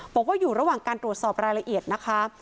บอกว่าอยู่ระหว่างการตรวจสอบรายละเอียดนะคะ